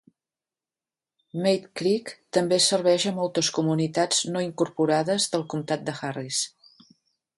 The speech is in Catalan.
Mayde Creek també serveix a moltes comunitats no incorporades del comtat de Harris.